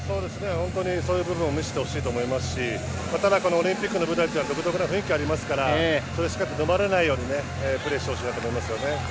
本当にそういう部分を見せてほしいと思いますしオリンピックの舞台というのは独特な雰囲気がありますからのまれないようにプレーしてほしいなと思います。